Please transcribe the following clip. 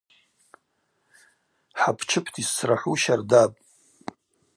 Хӏапчыпта йсцрахӏву щардапӏ.